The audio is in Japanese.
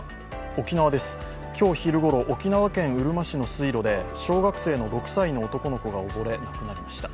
沖縄です、今日昼ごろ沖縄県うるま市の水路で小学生の６歳の男の子が溺れ亡くなりました。